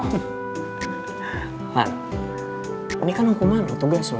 man ini kan angkuman otobes loh